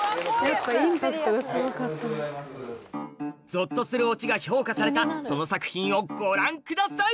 ゾッとするオチが評価されたその作品をご覧ください！